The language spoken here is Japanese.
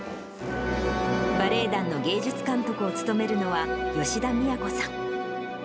バレエ団の芸術監督を務めるのは、吉田都さん。